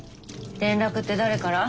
連絡って誰から？